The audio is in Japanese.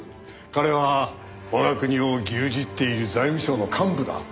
彼は我が国を牛耳っている財務省の幹部だ。